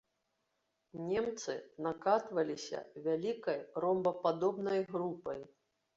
Немцы накатваліся вялікай ромбападобнай групай.